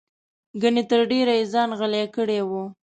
ګنې تر ډېره یې ځان غلی کړی و.